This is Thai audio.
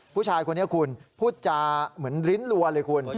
ผู้ชายคนนี้คุณพูดจาเหมือนลิ้นลัวเลยคุณ